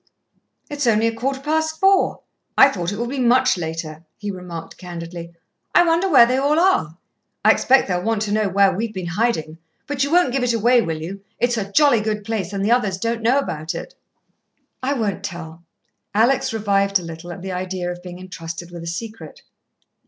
"It's only a quarter past four. I thought it would be much later," he remarked candidly. "I wonder where they all are. I expect they'll want to know where we've been hiding, but you won't give it away, will you? It's a jolly good place, and the others don't know about it." "I won't tell." Alex revived a little at the idea of being entrusted with a secret.